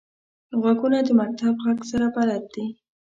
غوږونه د مکتب غږ سره بلد دي